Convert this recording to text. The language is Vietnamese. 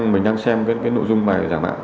mình đang xem cái nội dung bài giả mạo